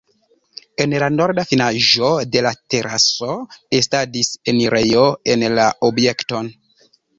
En la norda finaĵo de la teraso estadis enirejo en la objekton.